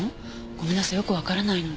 ごめんなさいよくわからないの。